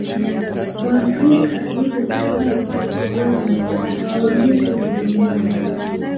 Waafrika dhidi ya utawala wa wakoloni au wavamizi wa Kijerumani